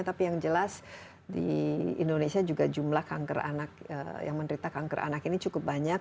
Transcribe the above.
tapi yang jelas di indonesia juga jumlah kanker anak yang menderita kanker anak ini cukup banyak